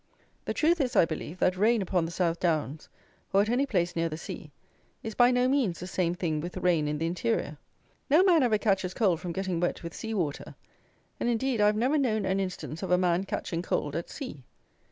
The truth is, I believe, that rain upon the South Downs, or at any place near the sea, is by no means the same thing with rain in the interior. No man ever catches cold from getting wet with sea water; and, indeed, I have never known an instance of a man catching cold at sea.